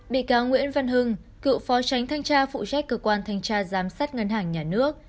bị cáo nguyễn văn hưng cựu phó tránh thanh tra phụ trách cơ quan thanh tra giám sát ngân hàng nhà nước